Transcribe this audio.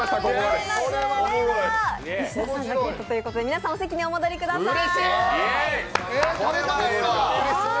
では石田さんだけということで皆さんお席にお戻りください。